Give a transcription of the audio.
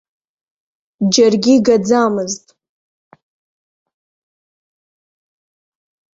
Џьаргьы игаӡамызт.